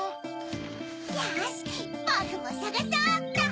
よしボクもさがそうっと！